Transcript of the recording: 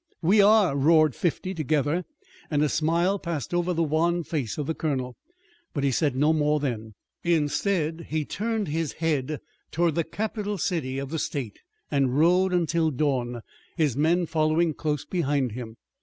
"We are!" roared fifty together, and a smile passed over the wan face of the colonel. But he said no more then. Instead he turned his head toward the capital city of the state, and rode until dawn, his men following close behind him.